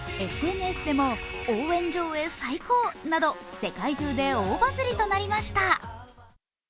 ＳＮＳでも応援上演最高など、世界中で大バズりとなりました。